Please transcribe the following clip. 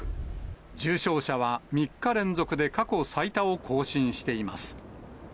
重症者は３日連続で過去最多を更新しています。